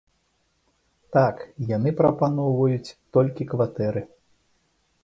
Так, яны прапаноўваюць толькі кватэры.